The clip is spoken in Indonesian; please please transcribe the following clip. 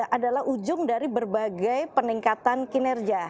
adalah ujung dari berbagai peningkatan kinerja